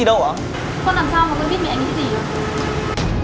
con làm sao mà con biết mẹ nghĩ cái gì